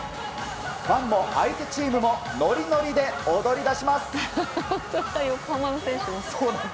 ファンも相手チームもノリノリで踊り出します。